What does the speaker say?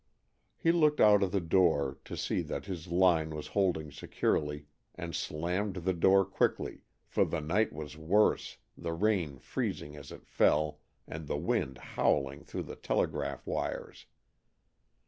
He looked out of the door, to see that his line was holding securely, and slammed the door quickly, for the night was worse, the rain freezing as it fell and the wind howling through the telegraph wires.